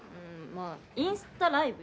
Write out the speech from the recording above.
まあインスタライブ。